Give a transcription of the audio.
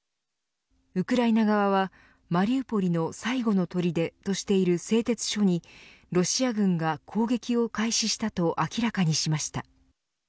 ウクライナ側はマリウポリの最後のとりでとしている製鉄所にロシア軍が攻撃を開始したと明らかにしました。